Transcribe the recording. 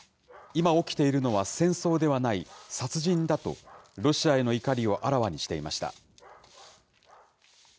今起きているのは戦争ではない、殺人だとロシアへの怒りをあらわにしていました。